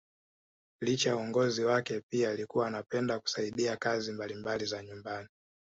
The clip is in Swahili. Licha ya uongozi wake pia alikuwa anapenda kusaidia kazi mbalimbali za nyumbani